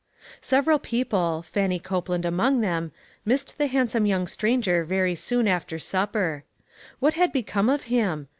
Several people, Fannie Copehind among them, missed the handsome young stranger very soon after supper. What had become of him?